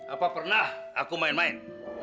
apa pernah aku main main